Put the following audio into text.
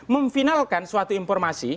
memfinalkan suatu informasi